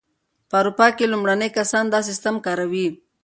په اروپا کې لومړني کسان دا سیسټم کاروي.